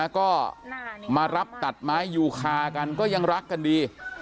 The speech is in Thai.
ก็มารับตัดไม้ยูคากันก็ยังรักกันดี